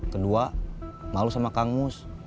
kedua malu sama kang mus